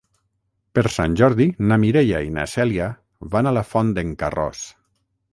Per Sant Jordi na Mireia i na Cèlia van a la Font d'en Carròs.